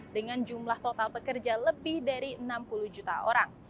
dengan jumlah total pekerja lebih dari enam puluh juta orang